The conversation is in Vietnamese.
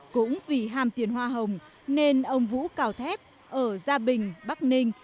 cũng vì ham tiền hoa hồng nên ông vũ cao thép ở gia bình bắc ninh